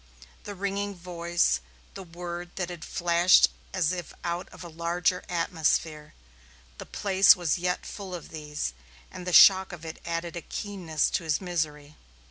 The ringing voice, the word that had flashed as if out of a larger atmosphere the place was yet full of these, and the shock of it added a keenness to his misery.